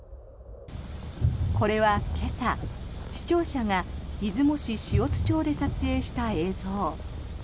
これは今朝、視聴者が出雲市塩津町で撮影した映像。